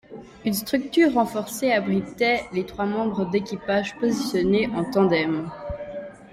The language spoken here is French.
Une structure renforcée abritait les trois membres d'équipage positionnés en tandem.